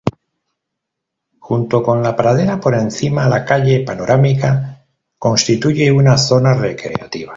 Junto con la pradera por encima la calle panorámica constituye una zona recreativa.